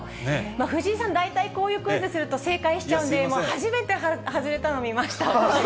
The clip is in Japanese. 藤井さん、大体こういうクイズすると、正解しちゃうんで、初めて外れたの見ました。